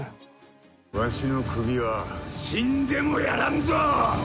わしの首は死んでもやらんぞ！